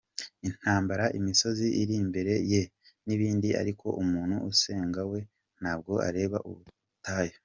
intambara, imisozi iri imbere ye n'ibindi ariko umuntu usenga we ntabwo areba ubutayu.